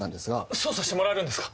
捜査してもらえるんですか？